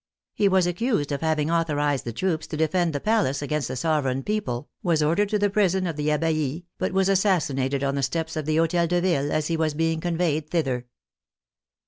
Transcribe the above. He was accused of having authorized the troops to defend the palace against the sovereign people, was ordered to the prison of the Abbaye, but was assassinated on the steps of the Hotel de Ville as he was being conveyed thither.